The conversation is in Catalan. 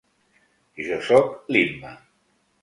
Jo sóc l'Imma.